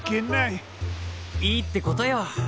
いいってことよ。